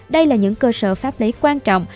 đây là những cơ sở pháp lý quan trọng